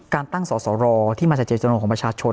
การตั้งสอสอลอที่มาจากเจรจนโลกของประชาชน